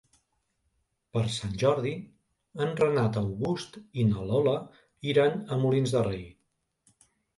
Per Sant Jordi en Renat August i na Lola iran a Molins de Rei.